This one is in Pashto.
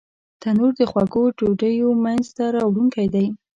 تنور د خوږو ډوډیو مینځ ته راوړونکی دی